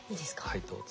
はいどうぞ。